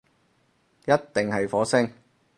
一定係火星